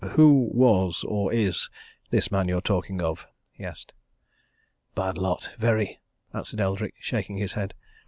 "Who was or is this man you're talking of?" he asked. "Bad lot very!" answered Eldrick, shaking his head.